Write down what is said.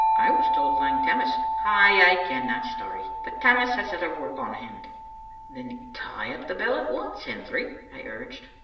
I was told Lang Tammas "Ay, I ken that story ; but Tammas has other work on hand." "Then tie up the bell at once, Hendry," I urged.